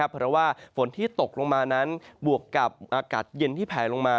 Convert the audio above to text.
เพราะว่าฝนที่ตกลงมานั้นบวกกับอากาศเย็นที่แผลลงมา